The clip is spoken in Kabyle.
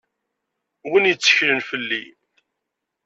Win yetteklen fell-i.